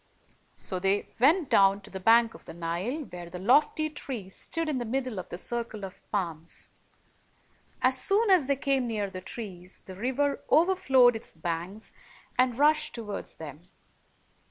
So they went down to the bank of the Nile, where the lofty tree stood in the middle of the circle of palms. As soon as they came near the trees, the river overflowed its banks and rushed toward them.